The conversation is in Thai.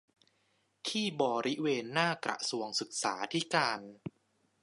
ที่บริเวณหน้ากระทรวงศึกษาธิการ